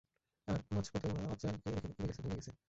আর মাঝপথে উনারা বাচ্চাকে রেখে উড়ে গেছে, ভেগে গেছে।